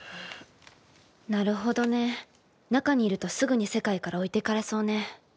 なるほどね、中にいるとすぐに外の世界に置いていかれそうね。